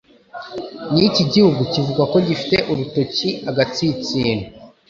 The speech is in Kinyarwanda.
Niki gihugu kivugwa ko gifite urutoki & agatsinsino?